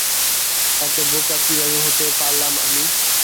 এত বোকা কীভাবে হতে পারলাম আমি?